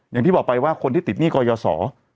อย่างที่บอกไปว่าคนที่ติดหนี้กยศ